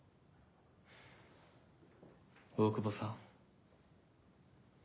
大久保さん。